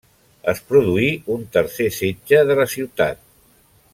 Es produí un tercer setge de la Ciutat.